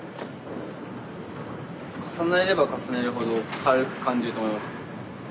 重ねれば重ねるほど軽く感じると思います。